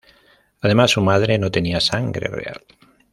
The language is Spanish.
Además su madre no tenía sangre real.